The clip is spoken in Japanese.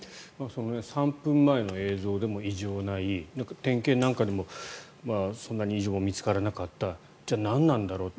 ３分前の映像でも異常ない点検なんかでもそんなに異常は見つからなかったじゃあ、何なんだろうと。